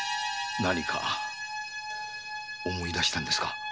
何か思い出したんですか？